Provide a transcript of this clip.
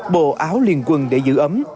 bộ áo liền quần để giữ ấm